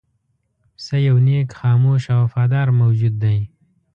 پسه یو نېک، خاموش او وفادار موجود دی.